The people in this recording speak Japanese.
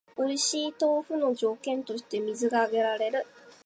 おいしい豆腐の条件として水が挙げられる